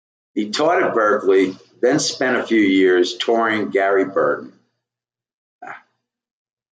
He taught at Berklee, then spent a few years touring with Gary Burton.